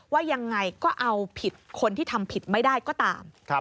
ว่ายังไงก็เอาผิดคนที่ทำผิดไม่ได้ก็ตาม